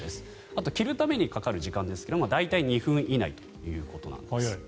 あと、着るためにかかる時間ですが大体２分以内ということです。